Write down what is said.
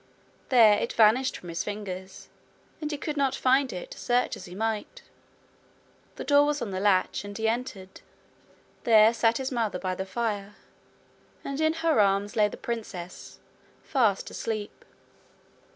There it vanished from his fingers, and he could not find it, search as he might. The door was on the latch, and he entered. There sat his mother by the fire, and in her arms lay the princess, fast asleep.